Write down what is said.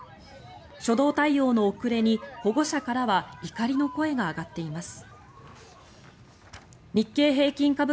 初動対応の遅れに保護者からは怒りの声が上がっています。